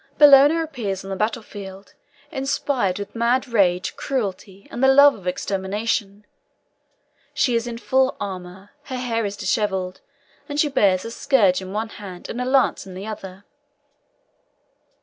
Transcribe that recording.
Bellona appears on the battle field, inspired with mad rage, cruelty, and the love of extermination. She is in full armour, her hair is dishevelled, and she bears a scourge in one hand, and a lance in the other.